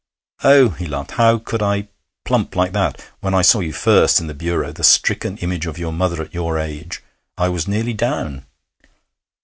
'Oh!' he laughed; 'how could I plump like that? When I saw you first, in the bureau, the stricken image of your mother at your age, I was nearly down.